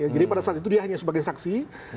jadi pada saat itu dia hanya sebagai saksi